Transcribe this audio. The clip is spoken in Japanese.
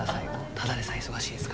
ただでさえ忙しいんすから。